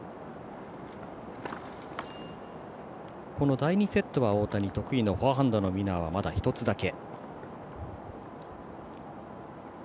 第２セットは大谷得意のフォアハンドのウィナーはまだ１つだけ。